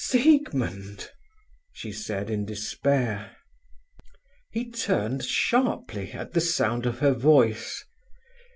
"Siegmund!" she said in despair. He turned sharply at the sound of her voice.